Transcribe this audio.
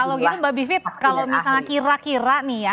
kalau gitu mbak bivip kalau misalnya kira kira nih ya